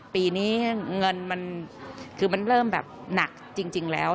ปีนี้เงินมันคือมันเริ่มแบบหนักจริงแล้ว